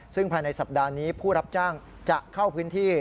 ซึ่งภายในสัปดาห์นี้ผู้รับจ้างจะเข้าพื้นที่